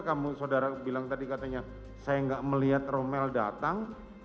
kamu saudara bilang tadi katanya saya nggak melihat romel datang